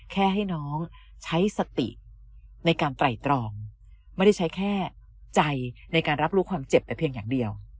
ให้น้องใช้สติในการไตรตรองไม่ได้ใช้แค่ใจในการรับรู้ความเจ็บแต่เพียงอย่างเดียว